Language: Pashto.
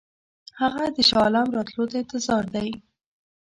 هغه د شاه عالم راتلو ته انتظار دی.